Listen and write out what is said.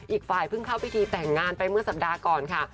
อีกฝ่ายเพิ่งเข้าพิธีแต่งงานไปเมื่อสัปดาห์ก่อนค่ะ